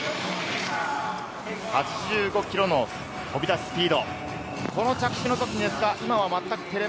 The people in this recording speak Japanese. ８５キロの飛び出しスピード。